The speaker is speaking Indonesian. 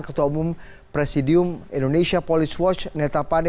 ketua umum presidium indonesia police watch neta pane